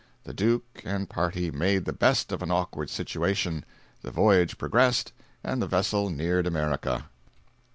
The Duke and party made the best of an awkward situation; the voyage progressed, and the vessel neared America.